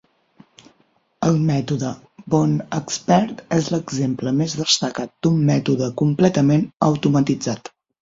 El mètode BoneXpert és l'exemple més destacat d'un mètode completament automatitzat.